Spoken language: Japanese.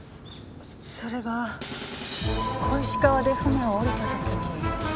それが小石川で船を降りた時に。